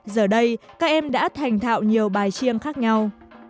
giờ đây các em đã thành thạo nhiều bài chiêng khác nhau